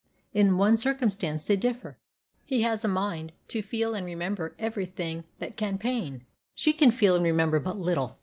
In one circumstance they differ. He has a mind to feel and remember every thing that can pain; she can feel and remember but little.